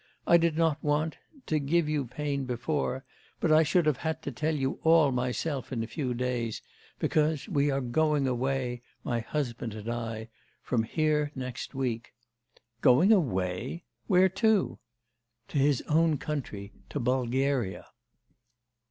I did not want to give you pain before, but I should have had to tell you all myself in a few days, because we are going away my husband and I from here next week.' 'Going away? Where to?' 'To his own country, to Bulgaria.